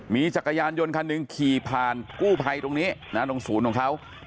มีจักรยานยนต์คันหนึ่งขี่ผ่านกู้ภัยตรงนี้นะตรงศูนย์ของเขา